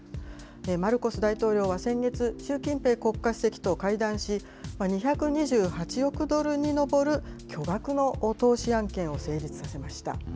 マルコス大統領は先月、習近平国家主席と会談し、２２８億ドルに上る巨額の投資案件を成立させました。